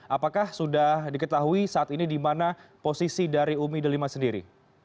apakah sudah diketahui saat ini di mana posisi dari umi delima sendiri